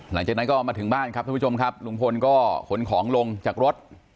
หลังจากงั้นลุงพลผลของลงจากรถ